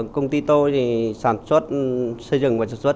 công ty tôi thì sản xuất xây dựng và sản xuất